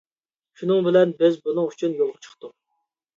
شۇنىڭ بىلەن بىز بۇنىڭ ئۈچۈن يولغا چىقتۇق.